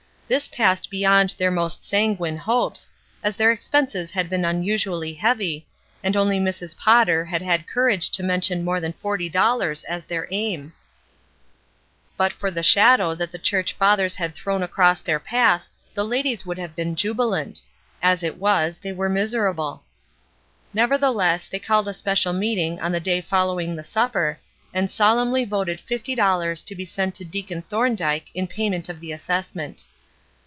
This passed beyond their most sanguine hopes, as their expenses had been unusually heavy, and only Mrs. Potter had had courage to mention more than forty dollars as their aim. But for the shadow that the church fathers had thrown across their path the ladies would A WOMAN OF HER WORD 361 have been jubilant. As it was, they were miserable. Nevertheless, they called a special meeting on the day following the supper, and solemnly voted fifty dollars to be sent to Deacon Thorn dyke in payment of the assessment.